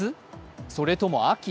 それとも秋？